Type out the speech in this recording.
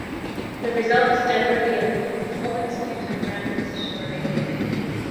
The result is generally a unique performance, due to the random positions available.